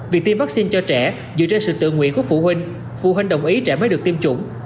việc tiêm vaccine cho trẻ dựa trên sự tự nguyện của phụ huynh phụ huynh đồng ý trẻ mới được tiêm chủng